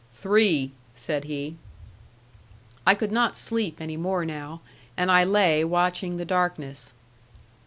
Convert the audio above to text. "Three," said he. I could not sleep any more now, and I lay watching the darkness.